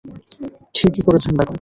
ঠিকি করছেন বেগম।